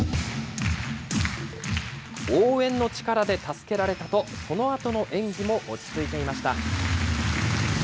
応援の力で助けられたと、そのあとの演技も落ち着いていました。